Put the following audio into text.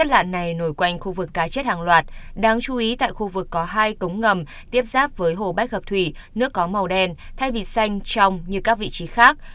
tại khu vực có hai cống ngầm tiếp giáp với hồ bách hợp thủy nước có màu đen thay vì xanh trong như các vị trí khác